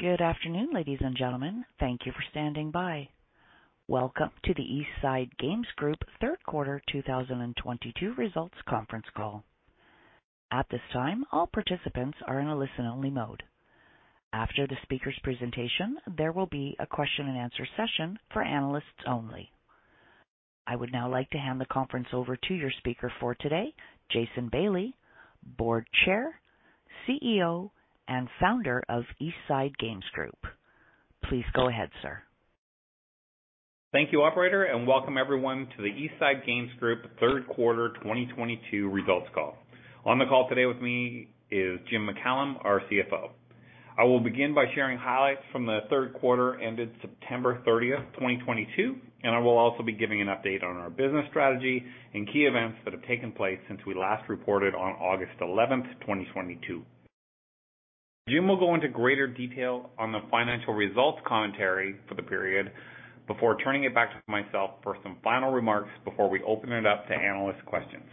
Good afternoon, ladies and gentlemen. Thank you for standing by. Welcome to the East Side Games Group third quarter 2022 results conference call. At this time, all participants are in a listen-only mode. After the speaker's presentation, there will be a question and answer session for analysts only. I would now like to hand the conference over to your speaker for today, Jason Bailey, Board Chair, CEO, and Founder of East Side Games Group. Please go ahead, sir. Thank you, Operator, and welcome everyone to the East Side Games Group third quarter 2022 results call. On the call today with me is Jim MacCallum, our CFO. I will begin by sharing highlights from the third quarter ended September 30, 2022, and I will also be giving an update on our business strategy and key events that have taken place since we last reported on August 11, 2022. Jim will go into greater detail on the financial results commentary for the period before turning it back to myself for some final remarks before we open it up to analyst questions.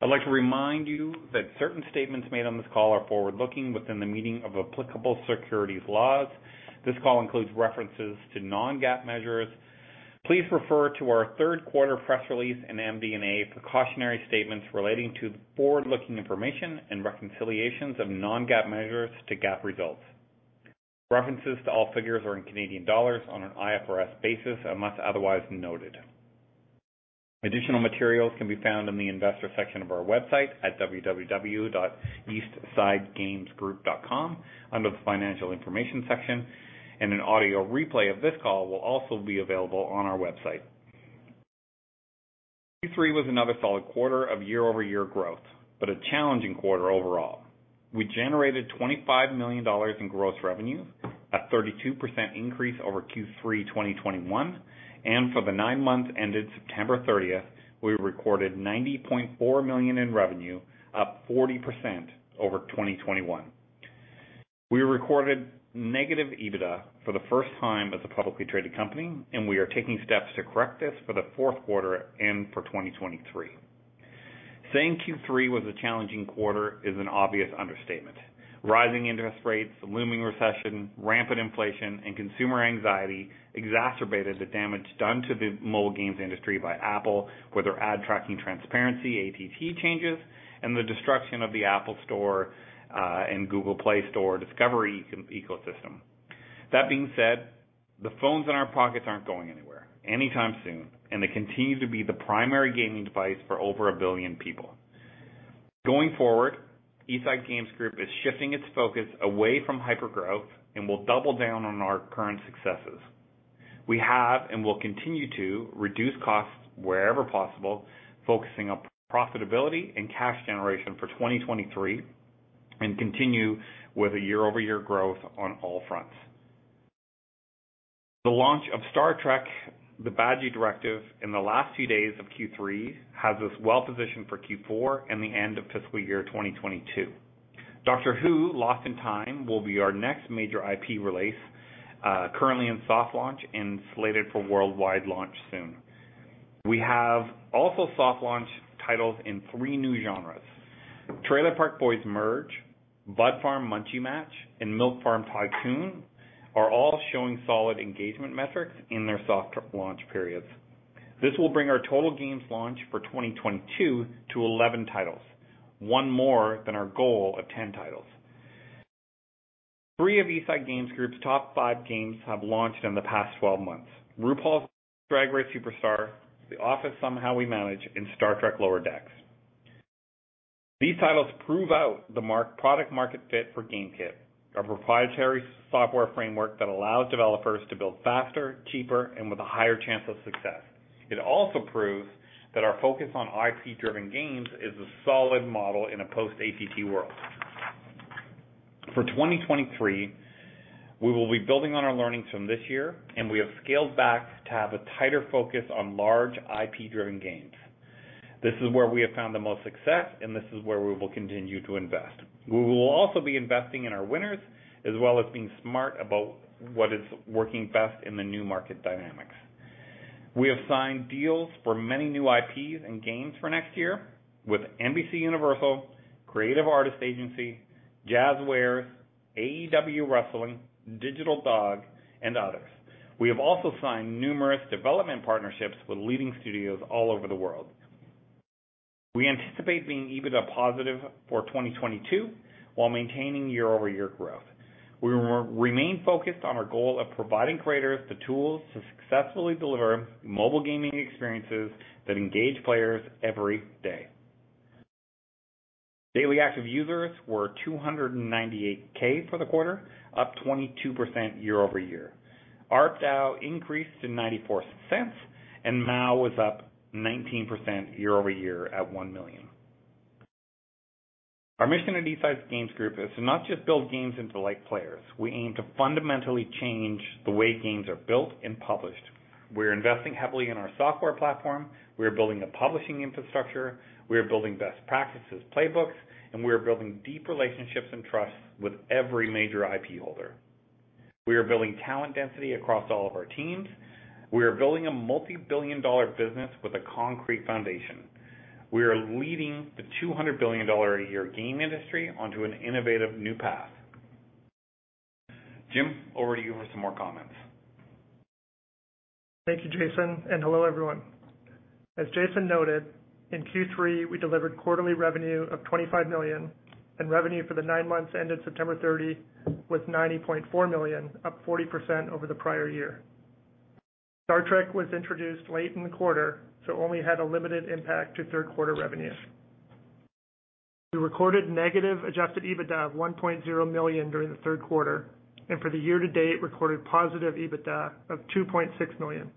I'd like to remind you that certain statements made on this call are forward-looking within the meaning of applicable securities laws. This call includes references to non-GAAP measures. Please refer to our third quarter press release in MD&A precautionary statements relating to the forward-looking information and reconciliations of non-GAAP measures to GAAP results. References to all figures are in Canadian dollars on an IFRS basis, unless otherwise noted. Additional materials can be found in the investor section of our website at www.eastsidegamesgroup.com under the financial information section, and an audio replay of this call will also be available on our website. Q3 was another solid quarter of year-over-year growth, but a challenging quarter overall. We generated 25 million dollars in gross revenue, a 32% increase over Q3 2021, and for the nine months ended September 30, we recorded 90.4 million in revenue, up 40% over 2021. We recorded negative EBITDA for the first time as a publicly traded company, and we are taking steps to correct this for the fourth quarter and for 2023. Saying Q3 was a challenging quarter is an obvious understatement. Rising interest rates, looming recession, rampant inflation, and consumer anxiety exacerbated the damage done to the mobile games industry by Apple with their ad tracking transparency, ATT changes, and the destruction of the App Store and Google Play Store discovery ecosystem. That being said, the phones in our pockets aren't going anywhere anytime soon, and they continue to be the primary gaming device for over a billion people. Going forward, East Side Games Group is shifting its focus away from hyper-growth and will double down on our current successes. We have and will continue to reduce costs wherever possible, focusing on profitability and cash generation for 2023 and continue with a year-over-year growth on all fronts. The launch of Star Trek: Lower Decks - The Badgey Directive in the last few days of Q3 has us well positioned for Q4 and the end of fiscal year 2022. Doctor Who: Lost in Time will be our next major IP release, currently in soft launch and slated for worldwide launch soon. We have also soft launch titles in three new genres. Trailer Park Boys Merge, Bud Farm: Munchie Match, and Milk Farm Idle Tycoon are all showing solid engagement metrics in their soft launch periods. This will bring our total games launched for 2022 to 11 titles, one more than our goal of 10 titles. Three of East Side Games Group's top five games have launched in the past 12 months. RuPaul's Drag Race Superstar, The Office: Somehow We Manage, and Star Trek: Lower Decks. These titles prove out the product-market fit for GameKit, our proprietary software framework that allows developers to build faster, cheaper, and with a higher chance of success. It also proves that our focus on IP-driven games is a solid model in a post-ATT world. For 2023, we will be building on our learnings from this year, and we have scaled back to have a tighter focus on large IP-driven games. This is where we have found the most success, and this is where we will continue to invest. We will also be investing in our winners as well as being smart about what is working best in the new market dynamics. We have signed deals for many new IPs and games for next year with NBCUniversal, Creative Artists Agency, Jazwares, All Elite Wrestling, Digital Dog, and others. We have also signed numerous development partnerships with leading studios all over the world. We anticipate being EBITDA positive for 2022 while maintaining year-over-year growth. We remain focused on our goal of providing creators the tools to successfully deliver mobile gaming experiences that engage players every day. Daily active users were 298k for the quarter, up 22% year-over-year. ARPDAU increased to $0.94, and MAU was up 19% year-over-year at 1 million. Our mission at East Side Games Group is to not just build games and delight players. We aim to fundamentally change the way games are built and published. We're investing heavily in our software platform. We are building the publishing infrastructure. We are building best practices playbooks, and we are building deep relationships and trust with every major IP holder. We are building talent density across all of our teams. We are building a multi-billion dollar business with a concrete foundation. We are leading the $200 billion a year game industry onto an innovative new path. Jim, over to you for some more comments. Thank you, Jason, and hello, everyone. As Jason noted, in Q3, we delivered quarterly revenue of 25 million, and revenue for the nine months ended September 30 was 90.4 million, up 40% over the prior year. Star Trek was introduced late in the quarter, so only had a limited impact to third quarter revenue. We recorded negative adjusted EBITDA of 1.0 million during the third quarter, and for the year to date, recorded positive EBITDA of 2.6 million.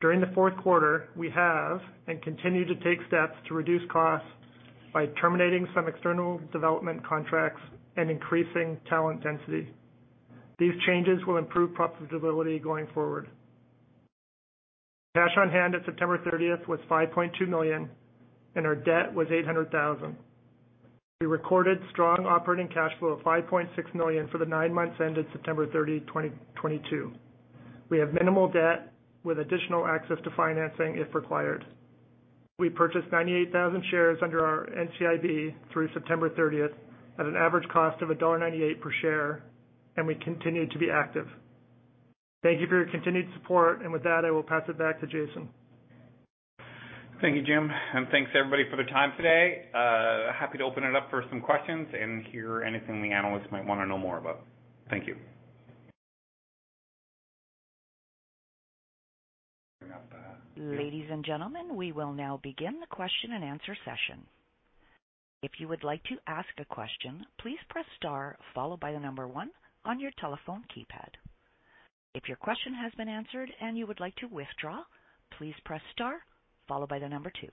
During the fourth quarter, we have and continue to take steps to reduce costs by terminating some external development contracts and increasing talent density. These changes will improve profitability going forward. Cash on hand at September 30 was 5.2 million, and our debt was 800,000. We recorded strong operating cash flow of 5.6 million for the nine months ended September 30, 2022. We have minimal debt with additional access to financing if required. We purchased 98,000 shares under our NCIB through September 30th at an average cost of dollar 0.98 per share, and we continue to be active. Thank you for your continued support. With that, I will pass it back to Jason. Thank you, Jim, and thanks everybody for the time today. Happy to open it up for some questions and hear anything the analysts might wanna know more about. Thank you. Ladies and gentlemen, we will now begin the question and answer session. If you would like to ask a question, please press star followed by one on your telephone keypad. If your question has been answered and you would like to withdraw, please press star followed by two.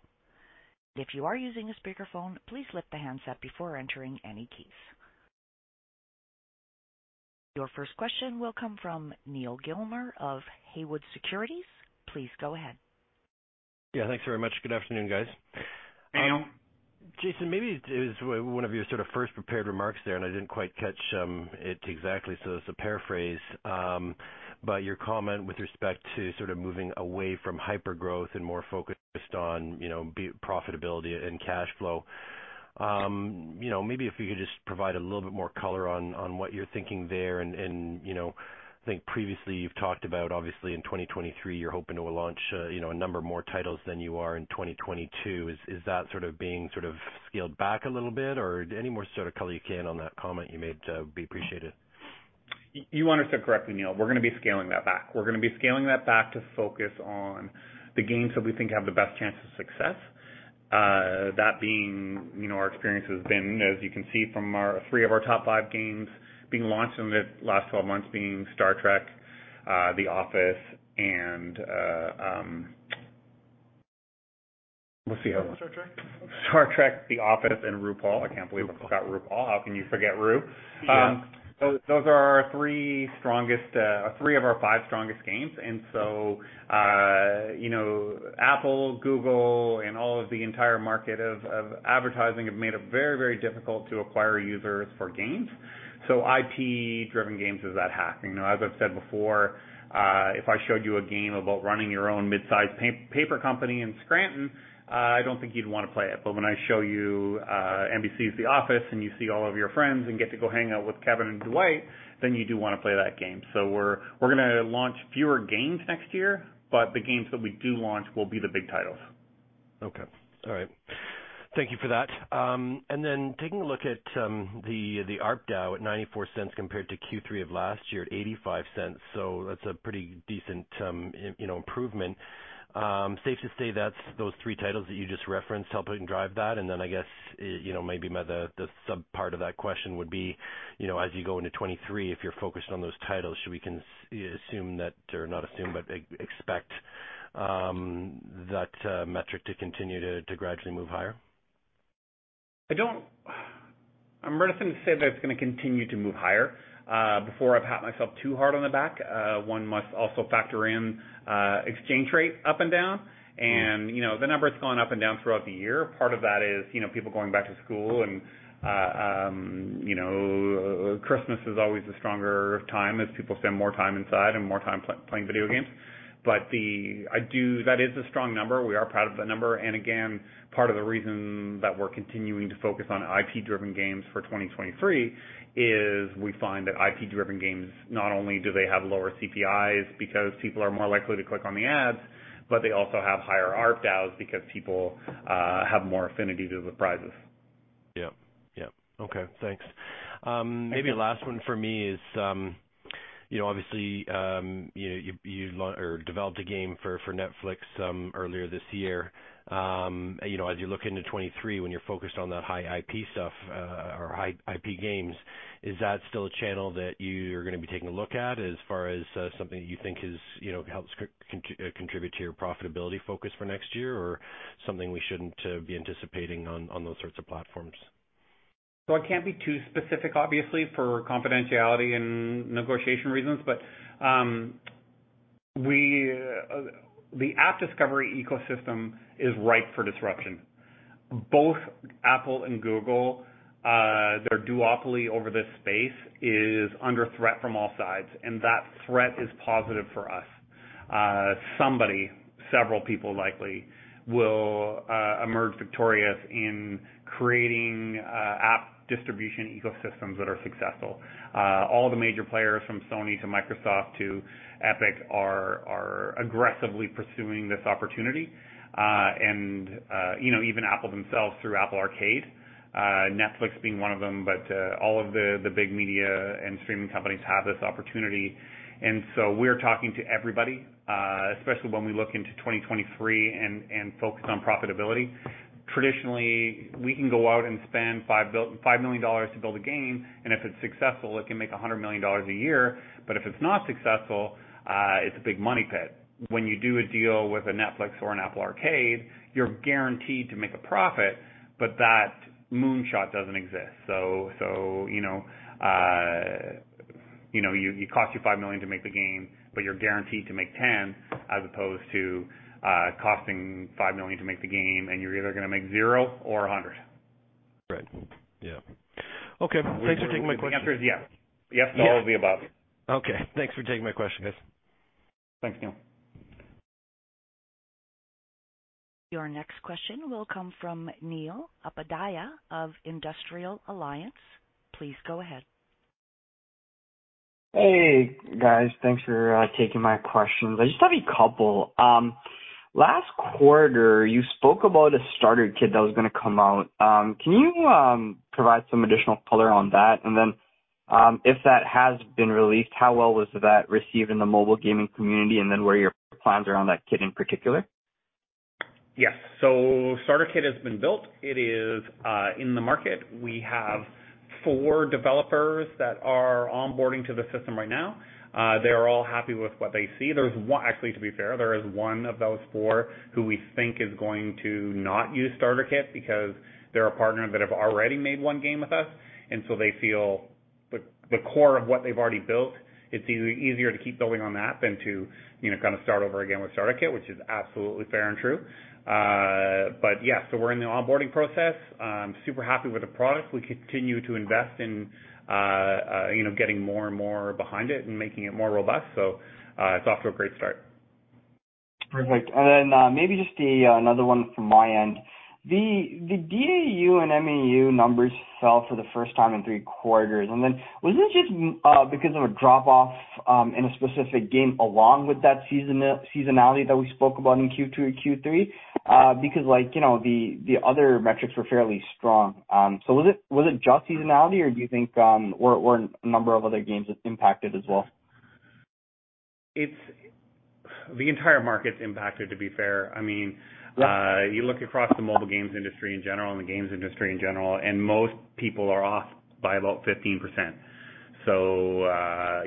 If you are using a speakerphone, please lift the handset before entering any keys. Your first question will come from Neal Gilmer of Haywood Securities. Please go ahead. Yeah, thanks very much. Good afternoon, guys. Hello. Jason, maybe it was one of your sort of first prepared remarks there, and I didn't quite catch it exactly, so this is a paraphrase. But your comment with respect to sort of moving away from hyper-growth and more focused on, you know, profitability and cash flow. You know, maybe if you could just provide a little bit more color on what you're thinking there. You know, I think previously you've talked about obviously in 2023, you're hoping to launch, you know, a number of more titles than you are in 2022. Is that sort of being sort of scaled back a little bit or any more sort of color you can on that comment you made would be appreciated. You understood correctly, Neil. We're gonna be scaling that back to focus on the games that we think have the best chance of success. That being, you know, our experience has been, as you can see from our three of our top five games being launched in the last 12 months, being Star Trek, The Office, and let's see. Star Trek. Star Trek, The Office, and RuPaul. I can't believe I forgot RuPaul. How can you forget Ru? Those are our three strongest, three of our five strongest games. You know, Apple, Google, and all of the entire market of advertising have made it very, very difficult to acquire users for games. IP-driven games is that hack. You know, as I've said before, if I showed you a game about running your own midsize paper company in Scranton, I don't think you'd want to play it. When I show you, NBC's The Office and you see all of your friends and get to go hang out with Kevin and Dwight, then you do wanna play that game. We're gonna launch fewer games next year, but the games that we do launch will be the big titles. Okay. All right. Thank you for that. And then taking a look at the ARPDAU at $0.94 compared to Q3 of last year at $0.85. That's a pretty decent, you know, improvement. Safe to say that's those three titles that you just referenced helping drive that? And then I guess, you know, maybe the sub part of that question would be, you know, as you go into 2023, if you're focused on those titles, should we assume that or not assume, but expect that metric to continue to gradually move higher? I'm reluctant to say that it's gonna continue to move higher before I pat myself too hard on the back. One must also factor in exchange rate up and down. You know, the number has gone up and down throughout the year. Part of that is, you know, people going back to school and, you know, Christmas is always a stronger time as people spend more time inside and more time playing video games. That is a strong number. We are proud of that number. Part of the reason that we're continuing to focus on IP-driven games for 2023 is we find that IP-driven games not only do they have lower CPIs because people are more likely to click on the ads, but they also have higher ARPDAUs because people have more affinity to the IPs. Yep. Okay. Thanks. Maybe last one for me is, you know, obviously, you developed a game for Netflix earlier this year. You know, as you look into 2023, when you're focused on that high IP stuff, or high IP games, is that still a channel that you're gonna be taking a look at as far as something that you think is, you know, helps contribute to your profitability focus for next year or something we shouldn't be anticipating on those sorts of platforms? I can't be too specific, obviously, for confidentiality and negotiation reasons, but the app discovery ecosystem is ripe for disruption. Both Apple and Google, their duopoly over this space is under threat from all sides, and that threat is positive for us. Somebody, several people likely, will emerge victorious in creating app distribution ecosystems that are successful. All the major players from Sony to Microsoft to Epic are aggressively pursuing this opportunity. You know, even Apple themselves through Apple Arcade, Netflix being one of them, but all of the big media and streaming companies have this opportunity. We're talking to everybody, especially when we look into 2023 and focus on profitability. Traditionally, we can go out and spend 5 million dollars to build a game, and if it's successful, it can make 100 million dollars a year. If it's not successful, it's a big money pit. When you do a deal with a Netflix or an Apple Arcade, you're guaranteed to make a profit, but that moonshot doesn't exist. You know, it cost you 5 million to make the game, but you're guaranteed to make 10 million, as opposed to costing 5 million to make the game, and you're either gonna make 0 million or 100 million. Right. Yeah. Okay. Thanks for taking my question. The answer is yes. Yes to all of the above. Okay. Thanks for taking my question, guys. Thanks, Neal. Your next question will come from Anil Upadhyaya of Industrial Alliance. Please go ahead. Hey, guys. Thanks for taking my questions. I just have a couple. Last quarter, you spoke about a Starter Kit that was gonna come out. Can you provide some additional color on that? If that has been released, how well was that received in the mobile gaming community, and then what are your plans around that kit in particular? Yes. Starter Kit has been built. It is in the market. We have four developers that are onboarding to the system right now. They are all happy with what they see. There's one. Actually, to be fair, there is one of those four who we think is going to not use Starter Kit because they're a partner that have already made one game with us, and so they feel the core of what they've already built, it's easier to keep building on that than to, you know, kind of start over again with Starter Kit, which is absolutely fair and true. Yeah, we're in the onboarding process. Super happy with the product. We continue to invest in, you know, getting more and more behind it and making it more robust. It's off to a great start. Perfect. Maybe just another one from my end. The DAU and MAU numbers fell for the first time in three quarters. Was this just because of a drop off in a specific game along with that seasonality that we spoke about in Q2 and Q3? Because like, you know, the other metrics were fairly strong. Was it just seasonality, or do you think were a number of other games impacted as well? The entire market's impacted, to be fair. I mean Yeah You look across the mobile games industry in general and the games industry in general, and most people are off by about 15%.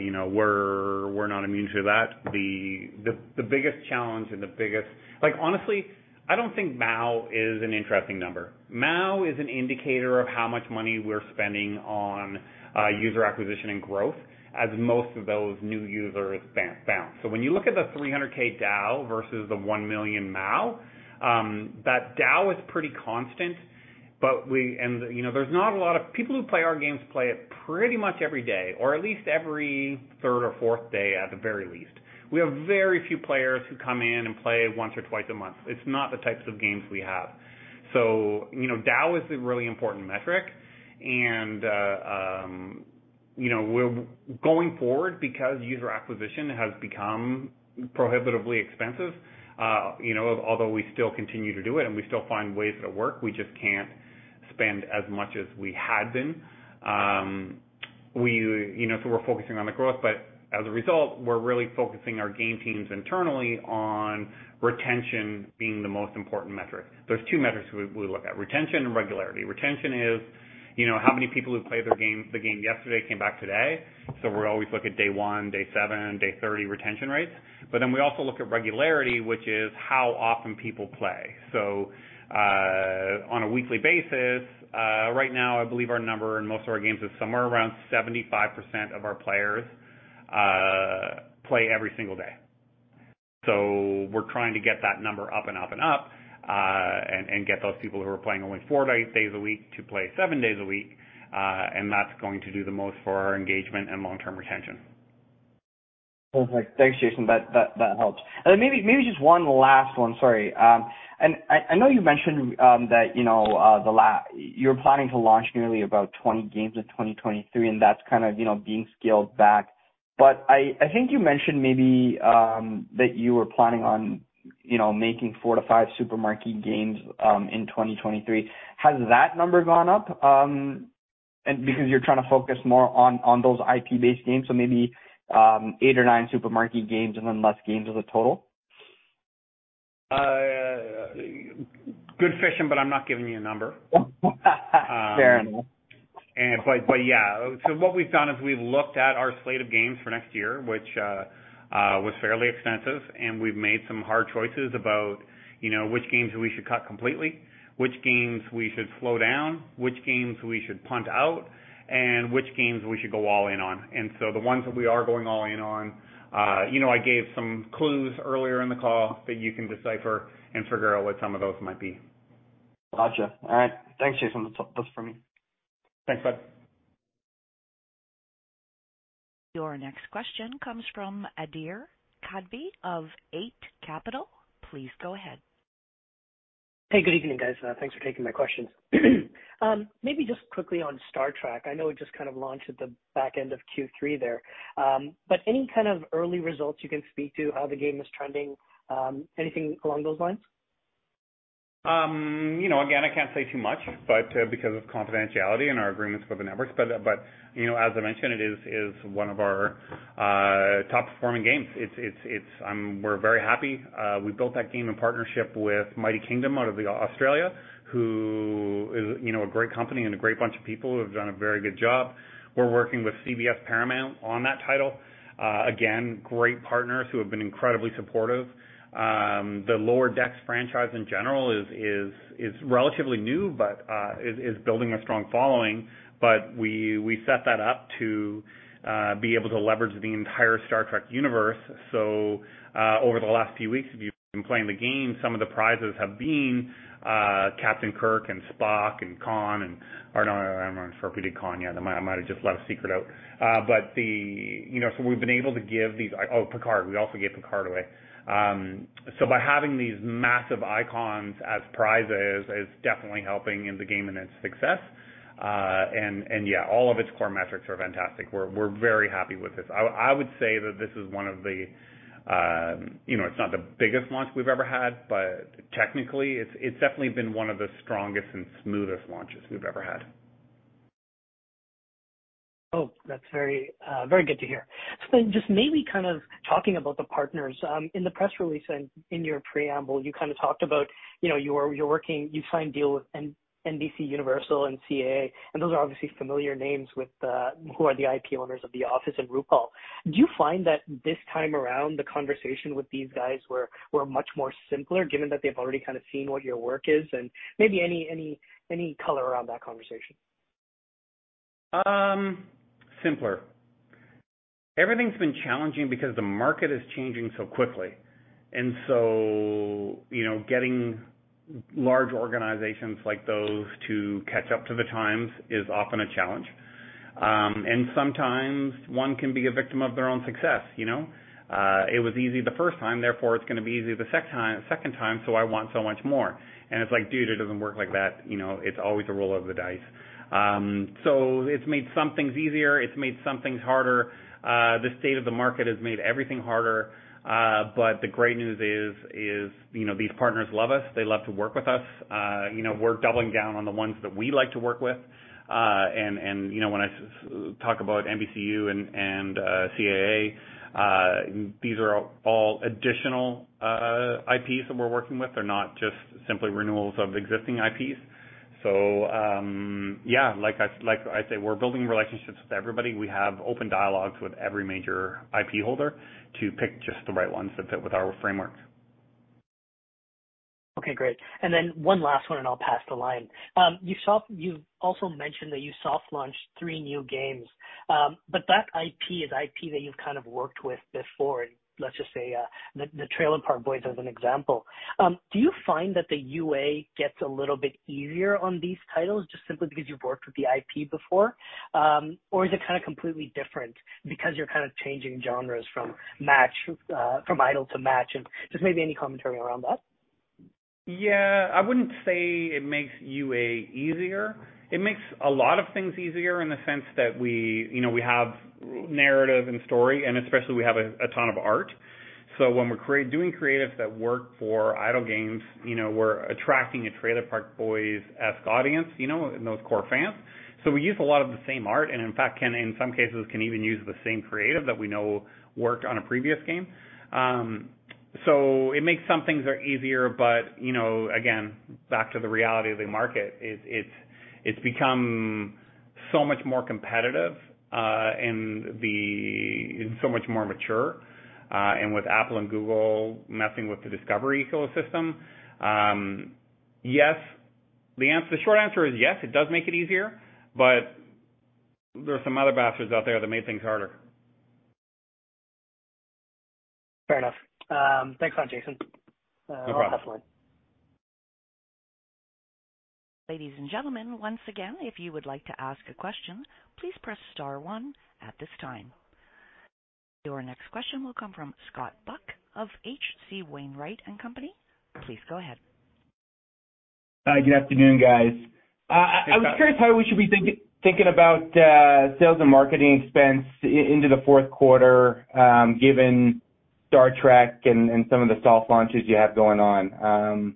You know, we're not immune to that. The biggest challenge. Like, honestly, I don't think MAU is an interesting number. MAU is an indicator of how much money we're spending on user acquisition and growth as most of those new users bounce. When you look at the 300k DAU versus the 1 million MAU, that DAU is pretty constant, but we. You know, there's not a lot of people who play our games play it pretty much every day or at least every third or fourth day at the very least. We have very few players who come in and play once or twice a month. It's not the types of games we have. You know, DAU is a really important metric and, you know, we're going forward because user acquisition has become prohibitively expensive. You know, although we still continue to do it and we still find ways that work, we just can't spend as much as we had been. You know, we're focusing on the growth, but as a result, we're really focusing our game teams internally on retention being the most important metric. There's two metrics we look at, retention and regularity. Retention is, you know, how many people who played their games, the game yesterday came back today. We always look at day one, day seven, day 30 retention rates. We also look at regularity, which is how often people play. On a weekly basis, right now I believe our number in most of our games is somewhere around 75% of our players play every single day. We're trying to get that number up and up and up, and get those people who are playing only four days a week to play seven days a week, and that's going to do the most for our engagement and long-term retention. Perfect. Thanks, Jason. That helps. Maybe just one last one. Sorry. I know you mentioned that you're planning to launch nearly about 20 games in 2023, and that's kind of being scaled back. I think you mentioned maybe that you were planning on making four to five super marquee games in 2023. Has that number gone up, and because you're trying to focus more on those IP-based games, so maybe eight or nine super marquee games and then less games as a total? Good fishing, but I'm not giving you a number. Fair enough. Yeah. What we've done is we've looked at our slate of games for next year, which was fairly extensive, and we've made some hard choices about, you know, which games we should cut completely, which games we should slow down, which games we should punt out, and which games we should go all in on. The ones that we are going all in on, you know, I gave some clues earlier in the call that you can decipher and figure out what some of those might be. Gotcha. All right. Thanks, Jason. That's for me. Thanks, bud. Your next question comes from Adhir Kadve of Eight Capital. Please go ahead. Hey, good evening, guys. Thanks for taking my questions. Maybe just quickly on Star Trek. I know it just kind of launched at the back end of Q3 there, but any kind of early results you can speak to how the game is trending, anything along those lines? You know, again, I can't say too much, but because of confidentiality and our agreements with the networks. You know, as I mentioned, it is one of our top performing games. We're very happy. We built that game in partnership with Mighty Kingdom out of Australia, who is, you know, a great company and a great bunch of people who have done a very good job. We're working with Paramount Global on that title. Again, great partners who have been incredibly supportive. The Lower Decks franchise in general is relatively new, but is building a strong following. We set that up to be able to leverage the entire Star Trek universe. Over the last few weeks, if you've been playing the game, some of the prizes have been Captain Kirk and Spock and Khan. Or no, I don't know if we did Khan yet. I might've just let a secret out. You know, we've been able to give these. Oh, Picard. We also gave Picard away. By having these massive icons as prizes is definitely helping in the game and its success. Yeah, all of its core metrics are fantastic. We're very happy with this. I would say that this is one of the, you know, it's not the biggest launch we've ever had, but technically, it's definitely been one of the strongest and smoothest launches we've ever had. Oh, that's very, very good to hear. Just maybe kind of talking about the partners, in the press release and in your preamble, you kind of talked about, you know, you're working. You signed deal with NBCUniversal and CAA, and those are obviously familiar names with who are the IP owners of The Office and RuPaul. Do you find that this time around, the conversation with these guys were much more simpler given that they've already kind of seen what your work is? Maybe any color around that conversation. Simpler. Everything's been challenging because the market is changing so quickly. You know, getting large organizations like those to catch up to the times is often a challenge. Sometimes one can be a victim of their own success, you know? It was easy the first time, therefore, it's gonna be easy the second time, so I want so much more. It's like, dude, it doesn't work like that. You know, it's always a roll of the dice. It's made some things easier. It's made some things harder. The state of the market has made everything harder. The great news is, you know, these partners love us. They love to work with us. You know, we're doubling down on the ones that we like to work with. You know, when I talk about NBCU and CAA, these are all additional IPs that we're working with. They're not just simply renewals of existing IPs. Yeah, like I say, we're building relationships with everybody. We have open dialogues with every major IP holder to pick just the right ones that fit with our frameworks. Okay, great. One last one, and I'll pass the line. You also mentioned that you soft launched three new games, but that IP is IP that you've kind of worked with before. Let's just say, the Trailer Park Boys as an example. Do you find that the UA gets a little bit easier on these titles just simply because you've worked with the IP before? Is it kinda completely different because you're kind of changing genres from match, from idle to match and just maybe any commentary around that? Yeah. I wouldn't say it makes UA easier. It makes a lot of things easier in the sense that we, you know, we have narrative and story, and especially we have a ton of art. So when we're creating creatives that work for idle games, you know, we're attracting a Trailer Park Boys-esque audience, you know, and those core fans. So we use a lot of the same art, and in fact, can in some cases even use the same creative that we know worked on a previous game. So it makes some things easier, but, you know, again, back to the reality of the market, it's become so much more competitive, and so much more mature, and with Apple and Google messing with the discovery ecosystem. Yes. The short answer is yes, it does make it easier, but there are some other bastards out there that made things harder. Fair enough. Thanks a lot, Jason. No problem. I'll pass the line. Ladies and gentlemen, once again, if you would like to ask a question, please press star one at this time. Your next question will come from Scott Buck of H.C. Wainwright & Co. Please go ahead. Hi, good afternoon, guys. Hey, Scott. I was curious how we should be thinking about sales and marketing expense into the fourth quarter, given Star Trek and some of the soft launches you have going on.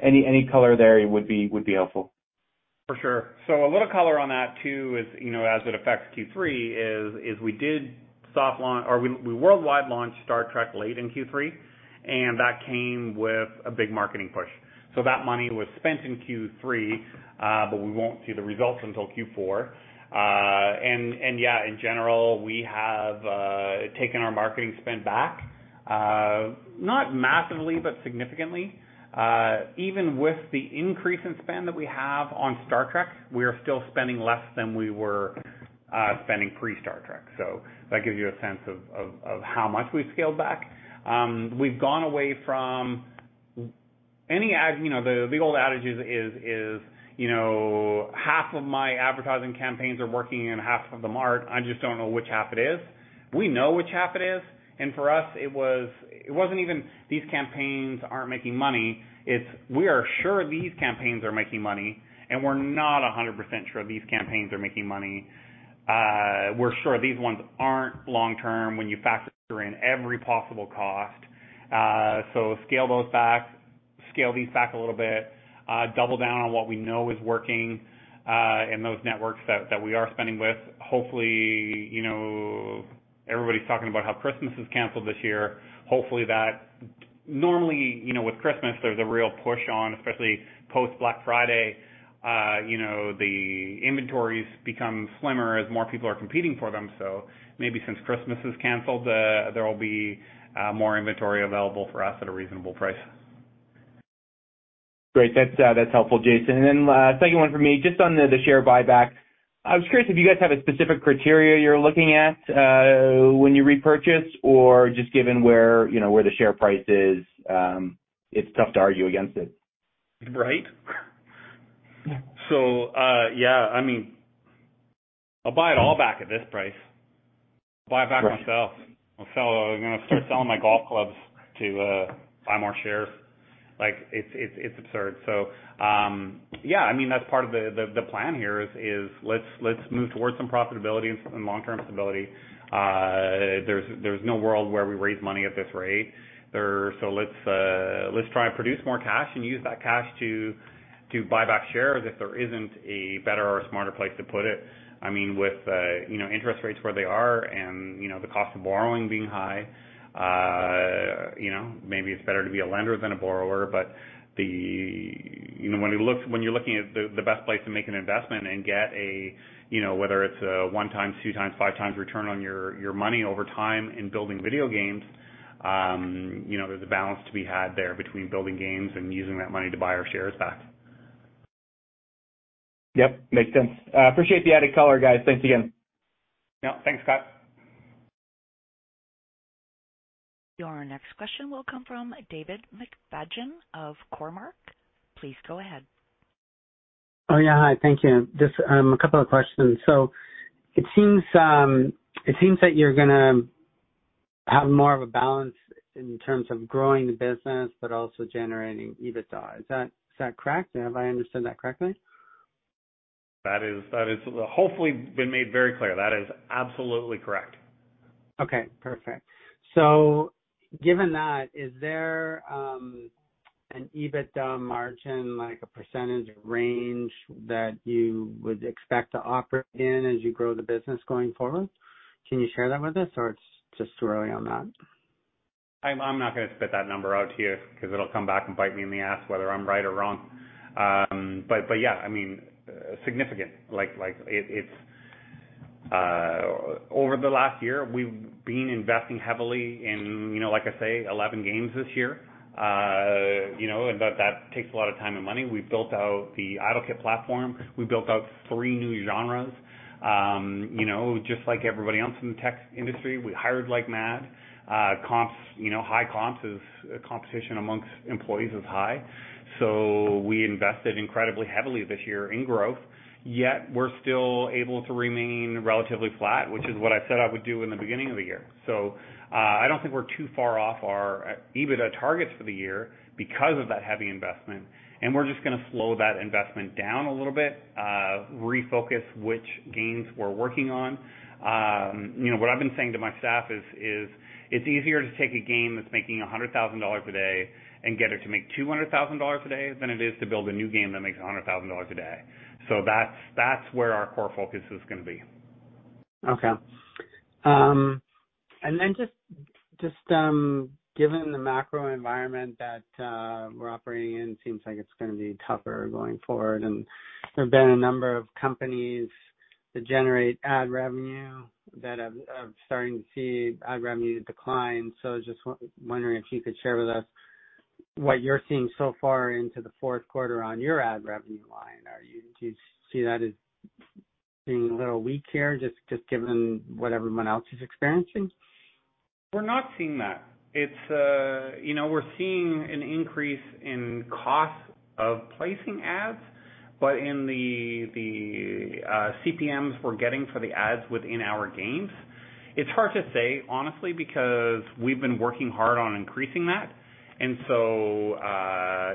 Any color there would be helpful. For sure. A little color on that too is, you know, as it affects Q3 is we worldwide launched Star Trek late in Q3, and that came with a big marketing push. That money was spent in Q3, but we won't see the results until Q4. Yeah, in general, we have taken our marketing spend back, not massively, but significantly. Even with the increase in spend that we have on Star Trek, we are still spending less than we were spending pre Star Trek. That gives you a sense of how much we've scaled back. We've gone away from any ad. You know, the old adage is, you know, half of my advertising campaigns are working and half of them aren't, I just don't know which half it is. We know which half it is. For us, it wasn't even these campaigns aren't making money. We are sure these campaigns are making money, and we're not 100% sure these campaigns are making money. We're sure these ones aren't long-term when you factor in every possible cost. So scale those back, scale these back a little bit, double down on what we know is working, and those networks that we are spending with, hopefully, you know. Everybody's talking about how Christmas is canceled this year. Hopefully, that. Normally, you know, with Christmas, there's a real push on, especially post-Black Friday, you know, the inventories become slimmer as more people are competing for them. Maybe since Christmas is canceled, there will be more inventory available for us at a reasonable price. Great. That's helpful, Jason. Second one for me, just on the share buyback. I was curious if you guys have a specific criteria you're looking at when you repurchase or just given where, you know, where the share price is, it's tough to argue against it. Right. Yeah, I mean, I'll buy it all back at this price. Buy it back myself. I'll sell. I'm gonna start selling my golf clubs to buy more shares. Like, it's absurd. Yeah, I mean, that's part of the plan here is let's move towards some profitability and some long-term stability. There's no world where we raise money at this rate. Let's try and produce more cash and use that cash to buy back shares if there isn't a better or smarter place to put it. I mean, with you know, interest rates where they are and, you know, the cost of borrowing being high, you know, maybe it's better to be a lender than a borrower. You know, when you're looking at the best place to make an investment and get a, you know, whether it's a 1x, 2x, 5x return on your money over time in building video games, you know, there's a balance to be had there between building games and using that money to buy our shares back. Yep, makes sense. Appreciate the added color, guys. Thanks again. Yep. Thanks, Scott. Your next question will come from David McFadgen of Cormark. Please go ahead. Oh, yeah. Hi. Thank you. Just a couple of questions. It seems that you're gonna have more of a balance in terms of growing the business but also generating EBITDA. Is that correct? Have I understood that correctly? That is hopefully been made very clear. That is absolutely correct. Okay, perfect. Given that, is there an EBITDA margin, like a percentage range that you would expect to operate in as you grow the business going forward? Can you share that with us or it's just too early on that? I'm not gonna spit that number out to you 'cause it'll come back and bite me in the ass whether I'm right or wrong. Yeah, I mean, significant. Like, it's over the last year, we've been investing heavily in, you know, like I say, 11 games this year. You know, and that takes a lot of time and money. We've built out the IdleKit platform. We've built out three new genres. You know, just like everybody else in the tech industry, we hired like mad. Comps, you know, high comps is competition amongst employees is high. We invested incredibly heavily this year in growth, yet we're still able to remain relatively flat, which is what I said I would do in the beginning of the year. I don't think we're too far off our EBITDA targets for the year because of that heavy investment, and we're just gonna slow that investment down a little bit, refocus which games we're working on. You know, what I've been saying to my staff is it's easier to take a game that's making $100,000 a day and get it to make $200,000 a day than it is to build a new game that makes $100,000 a day. That's where our core focus is gonna be. Okay. Just given the macro environment that we're operating in, it seems like it's gonna be tougher going forward. There have been a number of companies that generate ad revenue that have started to see ad revenue decline. Just wondering if you could share with us what you're seeing so far into the fourth quarter on your ad revenue line. Do you see that as being a little weak here, just given what everyone else is experiencing? We're not seeing that. It's, you know, we're seeing an increase in cost of placing ads, but in the CPMs we're getting for the ads within our games, it's hard to say, honestly, because we've been working hard on increasing that.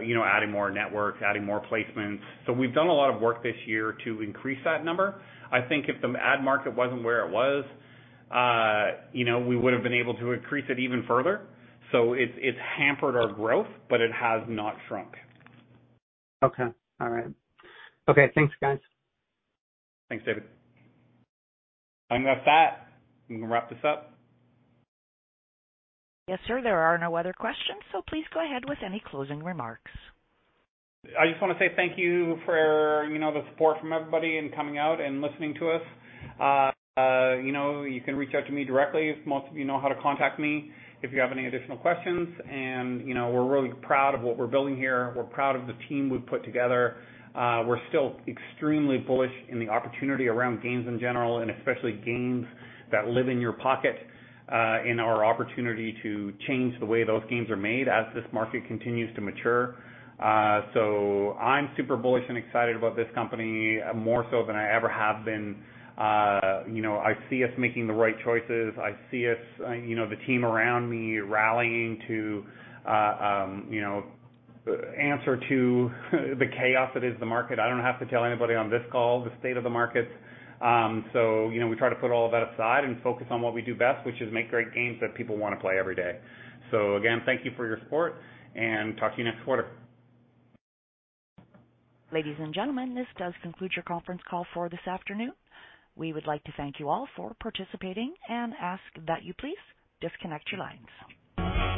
You know, adding more networks, adding more placements. We've done a lot of work this year to increase that number. I think if the ad market wasn't where it was, you know, we would've been able to increase it even further. It's hampered our growth, but it has not shrunk. Okay. All right. Okay, thanks, guys. Thanks, David. I guess that, I'm gonna wrap this up. Yes, sir. There are no other questions, so please go ahead with any closing remarks. I just wanna say thank you for, you know, the support from everybody in coming out and listening to us. You know, you can reach out to me directly, if most of you know how to contact me, if you have any additional questions. You know, we're really proud of what we're building here. We're proud of the team we've put together. We're still extremely bullish in the opportunity around games in general, and especially games that live in your pocket, and our opportunity to change the way those games are made as this market continues to mature. I'm super bullish and excited about this company more so than I ever have been. You know, I see us making the right choices. I see us, you know, the team around me rallying to, you know, answer to the chaos that is the market. You know, we try to put all that aside and focus on what we do best, which is make great games that people wanna play every day. Again, thank you for your support, and talk to you next quarter. Ladies and gentlemen, this does conclude your conference call for this afternoon. We would like to thank you all for participating and ask that you please disconnect your lines.